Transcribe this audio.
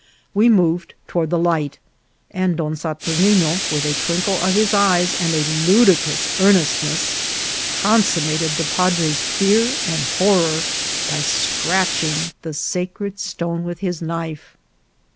We moved toward the light, and Don Satur nino, with a twinkle of his eyes and a ludicrous earnest ness, consummated the padre's fear and horror by scratching the sacred stone with his knife.